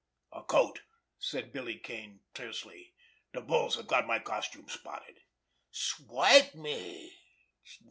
"A coat," said Billy Kane tersely. "The bulls have got my costume spotted." "Swipe me!"